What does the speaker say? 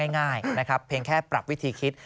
ง่ายนะครับเพียงแค่ปรับวิธีคิด